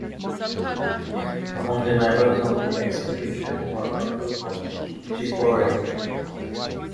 Among the members of the expedition were a group of Cherokee.